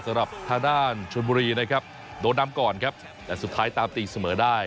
สำหรับทางด้านชนบุรีนะครับโดนนำก่อนครับแต่สุดท้ายตามตีเสมอได้